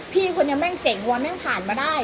พี่คนนี้แม่งเจ๋งวัลแม่งผ่านมาได้